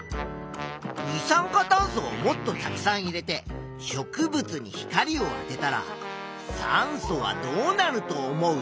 二酸化炭素をもっとたくさん入れて植物に光をあてたら酸素はどうなると思う？